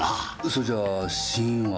それじゃあ死因は？